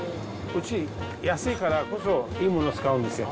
うち、安いからこそいいもの使うんですよ。